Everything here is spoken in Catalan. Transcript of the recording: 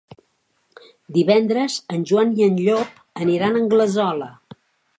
Divendres en Joan i en Llop aniran a Anglesola.